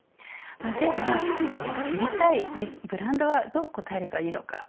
では、その知りたいにブランドはどう応えればいいのか。